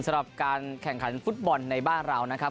สำหรับการแข่งขันฟุตบอลในบ้านเรานะครับ